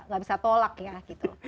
gak bisa tolak ya gitu